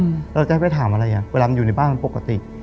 แล้วเราจะไปถามอะไรอะเวลามันอยู่ในบ้านมันปกติ